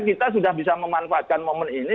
kita sudah bisa memanfaatkan momen ini